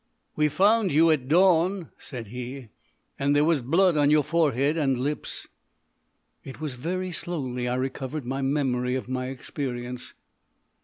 "We found you at dawn," said he, "and there was blood on your forehead and lips." It was very slowly I recovered my memory of my experience.